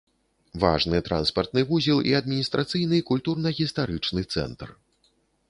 Важны транспартны вузел і адміністрацыйны, культурна-гістарычны цэнтр.